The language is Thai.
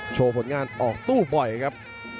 ผลงานออกตู้บ่อยครับ